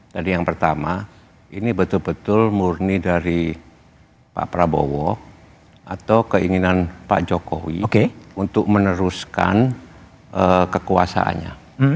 jadi yang pertama ini betul betul murni dari pak prabowo atau keinginan pak jokowi untuk meneruskan kekuasaannya